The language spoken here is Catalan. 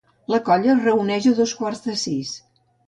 La colla es reuneix a dos quarts de sis.